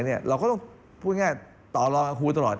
เราก็ต้องพูดง่ายต่อรองกับครูตลอด